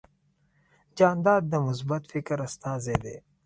جانداد د مثبت فکر استازی دی.